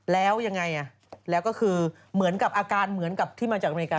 แล้วยังไงแล้วก็คือเหมือนกับอาการเหมือนกับที่มาจากอเมริกา